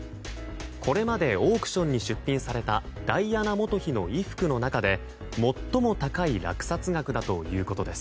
これまでオークションに出品されたダイアナ元妃の衣服の中で最も高い落札額だということです。